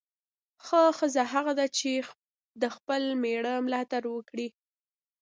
ښه ښځه هغه ده چې د خپل میړه ملاتړ وکړي.